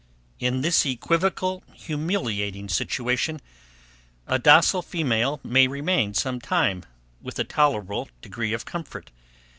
In this equivocal humiliating situation, a docile female may remain some time, with a tolerable degree of comfort.